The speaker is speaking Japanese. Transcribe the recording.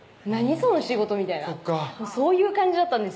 その仕事」みたいなそういう感じだったんですよ